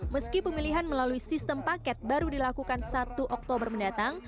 meski pemilihan melalui sistem paket baru dilakukan satu oktober mendatang